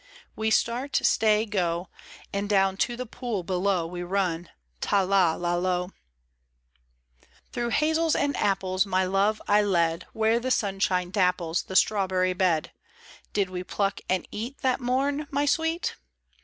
We start, stay, go, And down to the pool below We mn — ta, la, la, lo 1 THROUGH hazels and apple My love I led, Where the sunshine dapples The strawberry bed : Did we pluck and eat That mom, my sweet